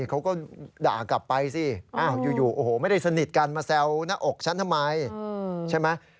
เขาก็ด่ากลับไปสิอยู่โอ้โหไม่ได้สนิทกันมาแซวหน้าอกฉันทำไมใช่ไหม